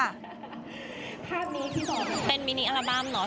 ภาพนี้ที่บอกเป็นมินีอัลบั้มเหรอ